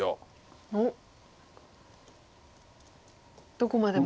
どこまでも。